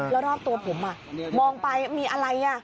แล้วรอบตัวผมมองไปมีอะไร